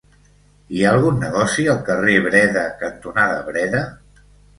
Hi ha algun negoci al carrer Breda cantonada Breda?